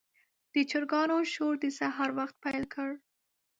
د چرګانو شور د سهار وخت پیل کړ.